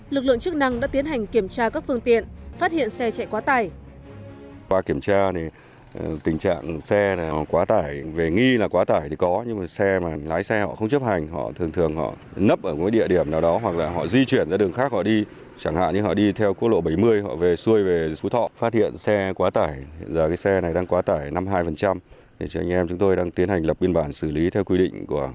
lực lượng chức năng đã tiến hành kiểm tra các phương tiện phát hiện xe chạy quá tải